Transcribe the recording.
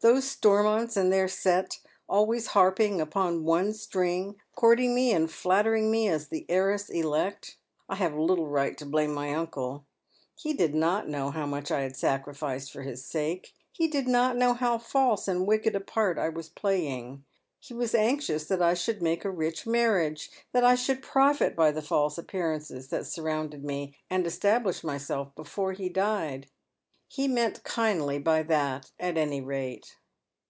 Those Stormonts and their set, always harping upon one stiing, courting me and flattering me as the heiress elect. I have little right tn blame my uncle. He did not know how much I had sacrificecl for his sake. He did not know how false and wicked a pai t I was playing. He was anxious that I should make a rich mar riage, that I should prolit by the false appearances that sur rounded me, and establish myself before he died. He meant kindly by that at any rate."